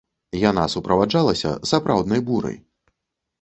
Яна суправаджалася сапраўднай бурай.